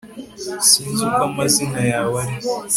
sinzi uko amazina yawe ari